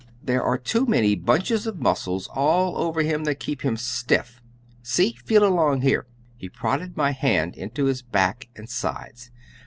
There are too many bunches of muscles all over him that keep him stiff. See, feel along here." He prodded my hand into his back and sides.